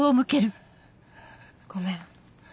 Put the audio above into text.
ごめん。